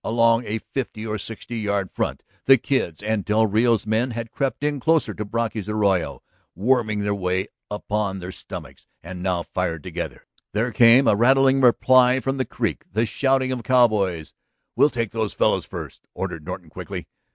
Along a fifty or sixty yard front the Kid's and del Rio's men had crept in closer to Brocky's arroyo, worming their way upon their stomachs, and now fired together. There came a rattling reply from the creek, the shouting of cowboys. "We'll take those fellows first," ordered Norton quickly.